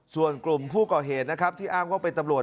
ส่วนกลุ่มผู้ก่อเหตุนะครับที่อ้างว่าเป็นตำรวจ